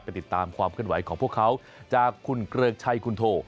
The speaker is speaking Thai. ไปติดตามความขึ้นไหวของพวกเขาจากคุณเกลือกชัยคุณโท